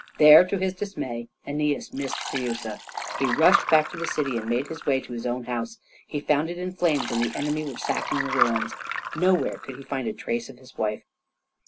There, to his dismay, Æneas missed Creusa. He rushed back to the city and made his way to his own house. He found it in flames, and the enemy were sacking the ruins. Nowhere could he find a trace of his wife.